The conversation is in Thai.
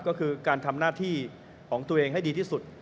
ก็คือการทำหน้าที่ของตัวเองให้ดีที่สุด